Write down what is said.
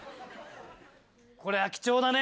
これは貴重だね！